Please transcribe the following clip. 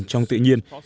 trong tự nhiên